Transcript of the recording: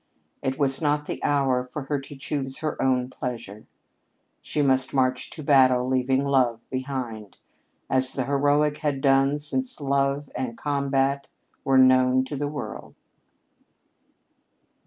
It was not the hour for her to choose her own pleasure. She must march to battle leaving love behind, as the heroic had done since love and combat were known to the world.